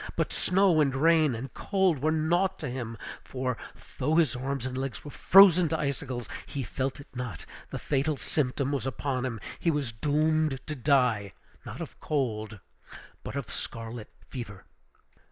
But snow, and rain, and cold were naught to him; for, though his arms and legs were frozen to icicles, he felt it not; the fatal symptom was upon him; he was doomed to die, not of cold, but of scarlet fever!